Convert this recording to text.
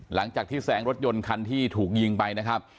หลังจากที่แซงรถยนต์คันที่ถูกยิงไปนะครับ